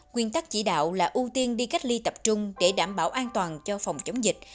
nguyên tắc chỉ đạo là ưu tiên đi cách ly tập trung để đảm bảo an toàn cho phòng chống dịch